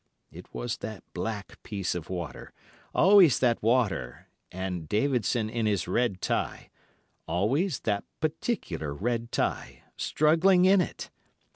It was that black piece of water, always that water, and Davidson in his red tie, always that particular red tie, struggling in it.